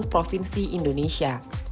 di seluruh provinsi indonesia